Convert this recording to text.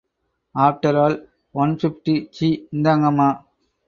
After all, one fifty சீ... இந்தாங்கம்மா.